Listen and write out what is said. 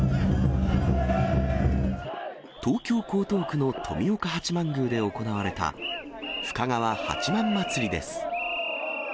東京・江東区の富岡八幡宮で行われた深川八幡祭りです。